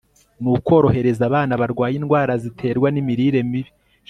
ni ukohereza abana barwaye indwara ziterwa n'imirire mibi